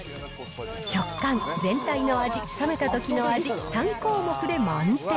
食感、全体の味、冷めたときの味、３項目で満点。